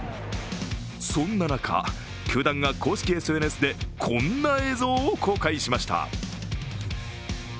そんな中、球団が公式ＳＮＳでこんな映像を公開しました。